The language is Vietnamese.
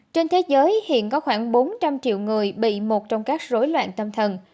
trên thế giới hiện có khoảng bốn trăm linh triệu người bị một trong các rối loạn tâm thần